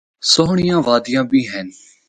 سہنڑیاں وادیاں بھی ہن۔